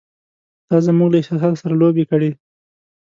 “تا زموږ له احساساتو سره لوبې کړې!